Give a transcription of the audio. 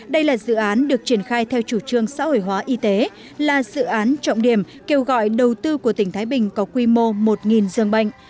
đây là dự án được triển khai theo chủ trương xã hội hóa y tế là dự án trọng điểm kêu gọi đầu tư của tỉnh thái bình có quy mô một dương bệnh